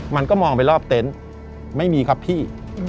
มันก็มองไปรอบเต็นต์ไม่มีครับพี่